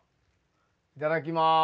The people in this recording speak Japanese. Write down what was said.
いただきます。